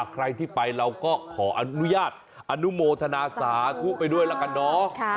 ใครที่ไปเราก็ขออนุญาตอนุโมทนาสาธุไปด้วยแล้วกันเนาะ